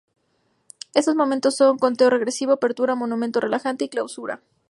Estos momentos son: Conteo Regresivo, Apertura, Momento Relajante, y Clausura.